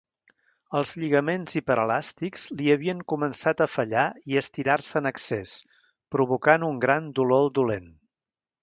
Els lligaments hiperelàstics li havien començat a fallar i estirar-se en excés, provocant un gran dolor al dolent.